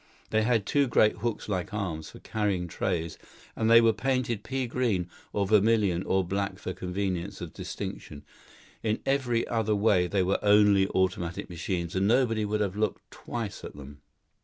They had two great hooks like arms, for carrying trays; and they were painted pea green, or vermilion, or black for convenience of distinction; in every other way they were only automatic machines and nobody would have looked twice at them.